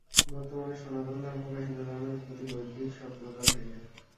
বর্তমানে সনাতন ধর্ম বা হিন্দু ধর্মের উৎপত্তি বৈদিক সভ্যতা থেকে।